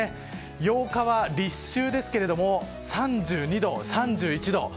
８日は立秋ですけども３２度、３１度。